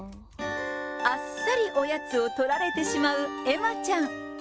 あっさりおやつを取られてしまうえまちゃん。